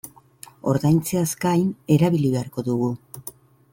Ordaintzeaz gain erabili beharko dugu.